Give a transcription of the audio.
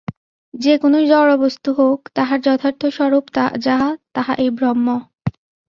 যে-কোন জড়বস্তু হউক, তাহার যথার্থ স্বরূপ যাহা, তাহা এই ব্রহ্ম।